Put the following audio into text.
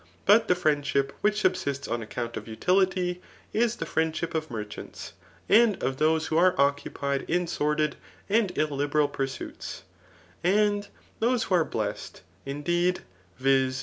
But the friendship which sub* sists on accoimt of utility, is the friendship of merchants^ [[and of those who are occupied in sorcUd and illiberal pursuits]. And those who are blessed, indeed, [yiz.